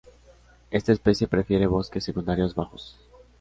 Esta especie prefiere bosques secundarios bajos.